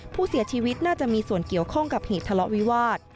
ผู้เสียชีวิตน่าจะมีส่วนเกี่ยวข้องกับเหตุทะเลาะวิวาส